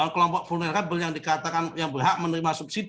kelompok vulnerable yang dikatakan yang berhak menerima subsidi